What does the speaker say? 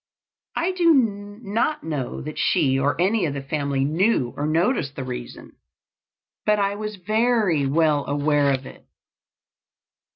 I do not know that she or any of the family knew or noticed the reason, but I was very well aware of it.